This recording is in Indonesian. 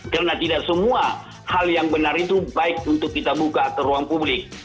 karena tidak semua hal yang benar itu baik untuk kita buka ke ruang publik